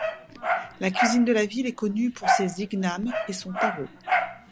La cuisine de la ville est connue pour ses ignames et son taro.